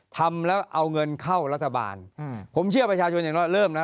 ทำแล้วเอาเงินเข้ารัฐบาลผมเชื่อประชาชนเห็นว่าเริ่มนะ